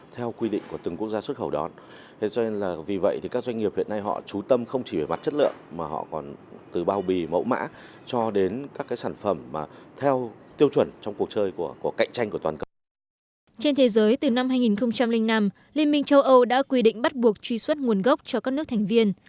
trên thế giới từ năm hai nghìn năm liên minh châu âu đã quy định bắt buộc truy xuất nguồn gốc cho các nước thành viên